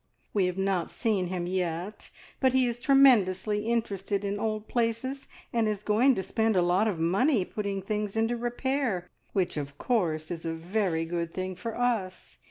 We have not seen him yet, but he is tremendously interested in old places, and is going to spend a lot of money putting things into repair, which, of course, is a very good thing for us.